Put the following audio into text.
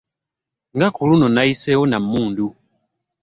Nga ku luno yayiseewo na mmundu